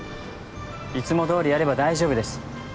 いつもどおりやれば大丈夫です。